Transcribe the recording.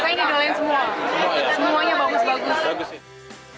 semuanya saya didolain semua semuanya bagus bagus